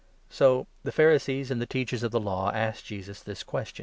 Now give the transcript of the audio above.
So 5 the Pharisees and the Teachers of the Law asked Jesus this question —«« Num.